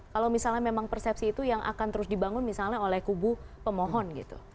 kalau misalnya memang persepsi itu yang akan terus dibangun misalnya oleh kubu pemohon gitu